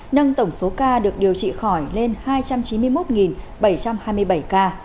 nâng tổng số ca được điều trị khỏi lên hai trăm chín mươi một bảy trăm hai mươi bảy ca